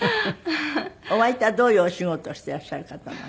お相手はどういうお仕事をしてらっしゃる方なの？